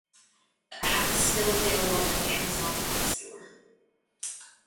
The app is still available on the Amazon Appstore.